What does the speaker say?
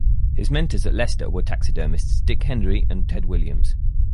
His mentors at Leicester were taxidermists Dick Hendry and Ted Williams.